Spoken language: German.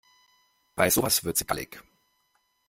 Bei sowas wird sie gallig.